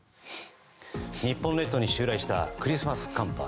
日本列島に襲来したクリスマス寒波。